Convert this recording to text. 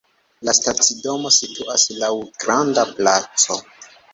La stacidomo situas laŭ granda placo.